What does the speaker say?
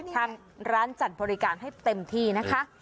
ทางร้านจัดบริการให้เต็มที่นะคะ